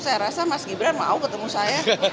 saya rasa mas gibran mau ketemu saya